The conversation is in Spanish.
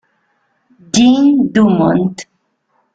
Jean Dumont